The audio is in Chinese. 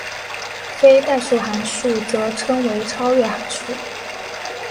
非代数函数则称为超越函数。